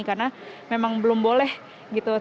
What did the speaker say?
karena memang belum boleh gitu